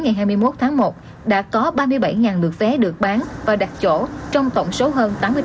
ngày hai mươi một tháng một đã có ba mươi bảy lượt vé được bán và đặt chỗ trong tổng số hơn